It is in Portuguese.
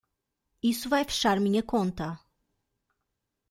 Isso vai fechar minha conta.